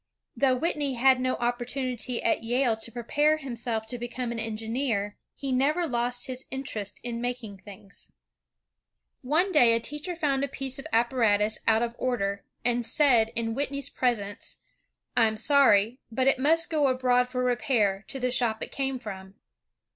Though Whitney had no opportunity at Yale to prepare himself to become an engineer, he never lost his interest in making things. no INVENTIONS OF MANUFACTURE AND PRODUCTION One day a teacher found a piece of apparatus out of order, and said in Whitney's presence, "I am sorry, but it must go abroad for repair, to the shop it came from."